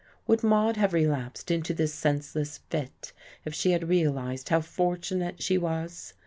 Would Maude have relapsed into this senseless fit if she had realized how fortunate she was?